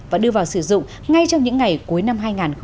và đưa vào sử dụng ngay trong những ngày cuối năm hai nghìn một mươi sáu